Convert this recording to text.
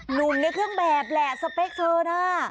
หนุ่มในเครื่องแบบแหละสเปคเธอนะ